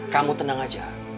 kamu tenang aja